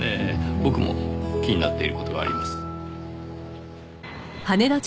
僕も気になっている事があります。